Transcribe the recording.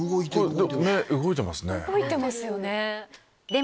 目動いてますね。